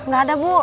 gak ada bu